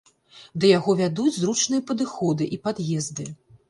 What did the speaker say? Да яго вядуць зручныя падыходы і пад'езды.